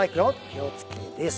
気を付けです。